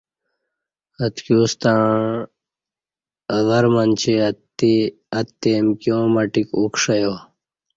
اتکیوستݩع اہ ور منچے اتے امکیاں ماٹیک اُوکݜیہ